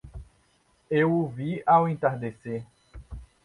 Eu o vi ao entardecer